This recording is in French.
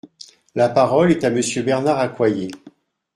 La parole est à Monsieur Bernard Accoyer.